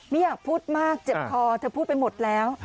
ไม่อยากพูดมากเจ็บคอเธอพูดไปหมดแล้ว